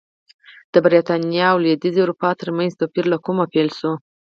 د برېټانیا او لوېدیځې اروپا ترمنځ توپیر له کومه پیل شو